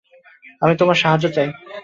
আমি তোমার সাহায্য চাই।